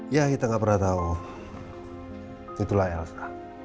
ya kita gak pernah tahu itulah elsa